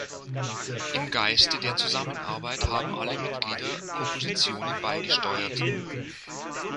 Im Geiste der Zusammenarbeit haben alle Mitglieder Kompositionen beigesteuert.